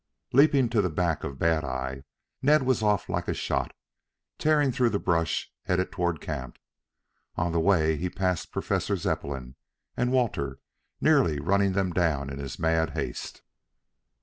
Leaping to the back of Bad eye, Ned was off like a shot, tearing through the brush, headed toward camp. On the way he passed Professor Zepplin and Walter, nearly running them down in his mad haste.